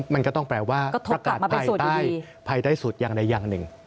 มันก็ต้องแปลว่าประกาศภายใต้ภายใต้สุดอย่างใดอย่างหนึ่ง